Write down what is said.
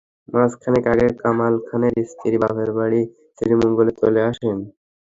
মাস খানেক আগে কামাল খানের স্ত্রী বাপের বাড়ি শ্রীমঙ্গলে চলে আসেন।